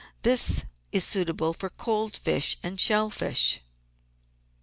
This is suitable for cold fish and shell fish.